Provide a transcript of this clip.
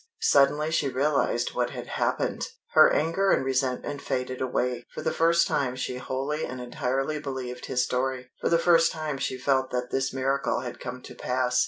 Suddenly she realized what had happened. Her anger and resentment faded away. For the first time she wholly and entirely believed his story. For the first time she felt that this miracle had come to pass.